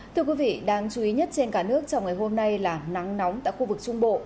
thưa quý vị đáng chú ý nhất trên cả nước trong ngày hôm nay là nắng nóng tại khu vực trung bộ